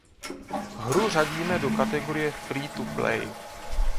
Hru řadíme do kategorie Free to play.